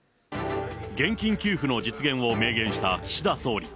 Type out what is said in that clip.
現金給付の実現を明言した岸田総理。